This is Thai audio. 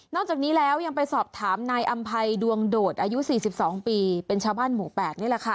จากนี้แล้วยังไปสอบถามนายอำภัยดวงโดดอายุ๔๒ปีเป็นชาวบ้านหมู่๘นี่แหละค่ะ